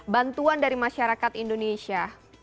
bantuan dari masyarakat indonesia